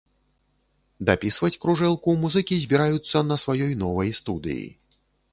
Дапісваць кружэлку музыкі збіраюцца на сваёй новай студыі.